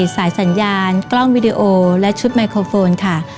สายสัญญาณกล้องวิดีโอและชุดไมโครโฟนค่ะ